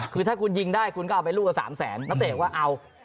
คือถ้าคุณยิงได้คุณก็เอาไปลูกละ๓แสนนักเตะก็เอา